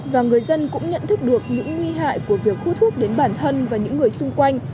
và người dân cũng nhận thức được những nguy hại của việc hút thuốc đến bản thân và những người xung quanh